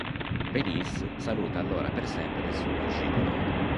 Venice saluta allora per sempre il suo "gigolò".